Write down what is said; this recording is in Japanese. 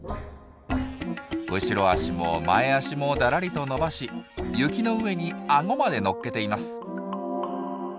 後ろ足も前足もだらりと伸ばし雪の上にアゴまで乗っけています。